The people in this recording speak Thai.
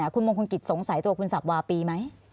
คุณมงคลกิจสงสัยตัวคุณสับวาปีไหม